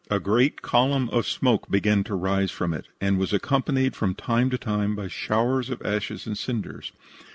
A great column of smoke began to rise from it, and was accompanied from time to time by showers of ashes and cinders.